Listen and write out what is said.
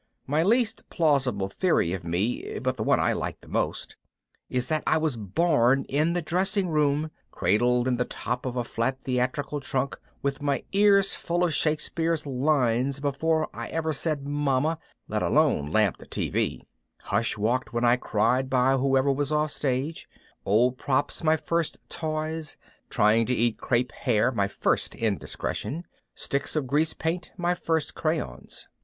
My least plausible theory of me, but the one I like the most, is that I was born in the dressing room, cradled in the top of a flat theatrical trunk with my ears full of Shakespeare's lines before I ever said "Mama," let alone lamped a TV; hush walked when I cried by whoever was off stage, old props my first toys, trying to eat crepe hair my first indiscretion, sticks of grease paint my first crayons.